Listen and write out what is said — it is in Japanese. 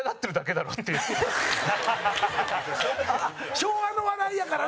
昭和の笑いやからな。